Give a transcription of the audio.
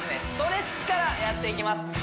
ストレッチからやっていきます